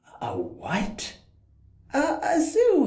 "A WHAT?" "A ZOO!!